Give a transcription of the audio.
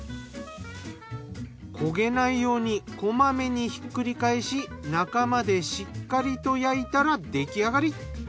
焦げないようにこまめにひっくり返し中までしっかりと焼いたら出来上がり。